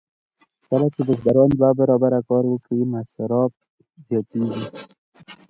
کله چې کارګران دوه برابره کار وکړي مصارف زیاتېږي